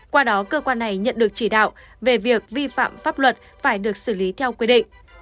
qua đó cơ quan này nhận được chỉ đạo về việc vi phạm pháp luật phải được xử lý theo quy định